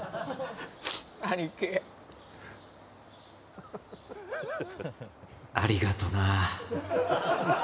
兄貴ありがとな